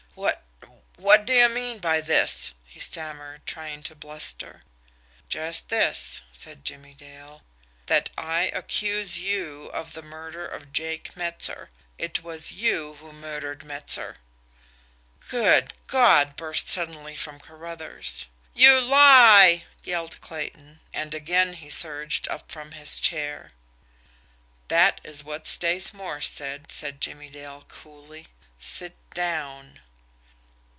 "What what d'ye mean by this?" he stammered, trying to bluster. "Just this," said Jimmie Dale. "That I accuse you of the murder of Jake Metzer IT WAS YOU WHO MURDERED METZER." "Good God!" burst suddenly from Carruthers. "You lie!" yelled Clayton and again he surged up from his chair. "That is what Stace Morse said," said Jimmie Dale coolly. "Sit down!"